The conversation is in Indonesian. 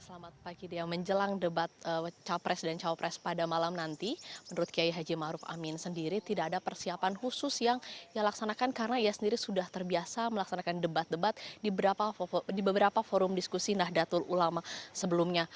selamat pagi dia menjelang debat capres dan cawapres pada malam nanti menurut kiai haji maruf amin sendiri tidak ada persiapan khusus yang dilaksanakan karena ia sendiri sudah terbiasa melaksanakan debat debat di beberapa forum diskusi nahdlatul ulama sebelumnya